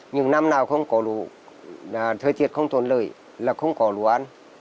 những năm nào không có lúa thời tiết không thuận lợi là không có lúa ăn